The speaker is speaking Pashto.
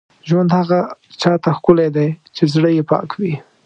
ژوند هغه چا ته ښکلی دی، چې زړه یې پاک وي.